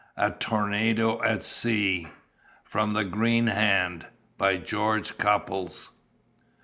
A TORNADO AT SEA (From The Green Hand.) By GEORGE CUPPLES.